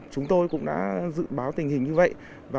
chúng tôi cũng đã dự báo tình hình như vậy